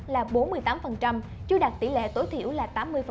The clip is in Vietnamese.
là bốn mươi tám chưa đạt tỷ lệ tối thiểu là tám mươi